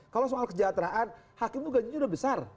kalau soal kejahateraan hakim itu gajinya udah besar